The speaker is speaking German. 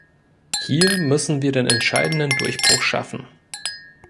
Hier müssen wir den entscheidenden Durchbruch schaffen.